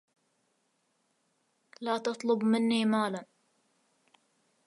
لا تطلب مني مالا.